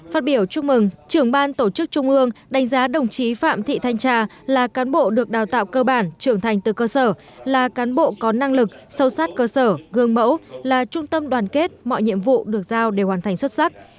phát biểu chúc mừng trưởng ban tổ chức trung ương đánh giá đồng chí phạm thị thanh trà là cán bộ được đào tạo cơ bản trưởng thành từ cơ sở là cán bộ có năng lực sâu sát cơ sở gương mẫu là trung tâm đoàn kết mọi nhiệm vụ được giao đều hoàn thành xuất sắc